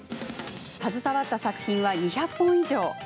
携わった作品は、２００本以上。